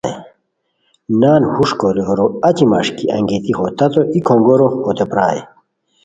نان ہوݰ کوری ہورو اچی مݰکی انگیتی ہو تتو ای کھونگیرو ہوتے پرائے